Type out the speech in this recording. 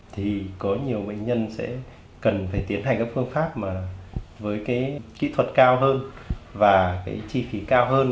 thì có nhiều bệnh nhân sẽ cần phải tiến hành các phương pháp với kỹ thuật cao hơn và chi phí cao hơn